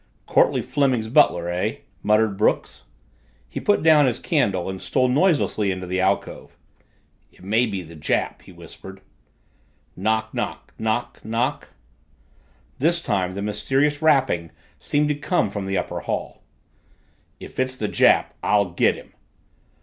"Courtleigh Fleming's butler, eh?" muttered Brooks. He put down his candle and stole noiselessly into the alcove. "It may be the Jap!" he whispered. Knock knock knock knock! This time the mysterious rapping seemed to come from the upper hall. "If it is the Jap, I'll get him!"